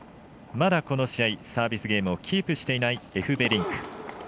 まだこの試合サービスゲームをキープしていないエフベリンク。